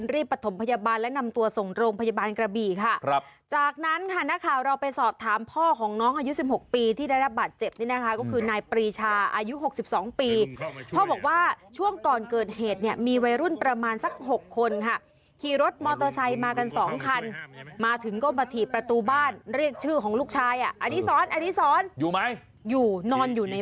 ประถมพยาบาลและนำตัวส่งโรงพยาบาลกระบี่ค่ะครับจากนั้นค่ะนักข่าวเราไปสอบถามพ่อของน้องอายุ๑๖ปีที่ได้รับบาดเจ็บนี่นะคะก็คือนายปรีชาอายุ๖๒ปีพ่อบอกว่าช่วงก่อนเกิดเหตุเนี่ยมีวัยรุ่นประมาณสัก๖คนค่ะขี่รถมอเตอร์ไซค์มากันสองคันมาถึงก็มาถีบประตูบ้านเรียกชื่อของลูกชายอ่ะอันนี้สอนอันนี้สอนอยู่ไหมอยู่นอนอยู่ใน